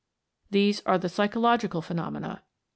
These are the psychological phenomena.